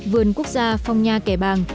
vườn quốc gia phong nha kẻ bàng